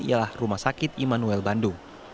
ialah rumah sakit immanuel bandung